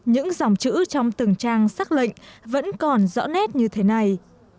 những dòng chữ trong từng trang xác lệnh vẫn còn rõ nét như thế này